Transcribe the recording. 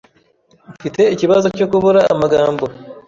Mfite ikibazo cyo kubura amagambo.